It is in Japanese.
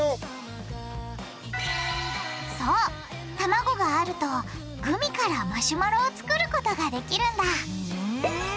そう卵があるとグミからマシュマロを作ることができるんだふん。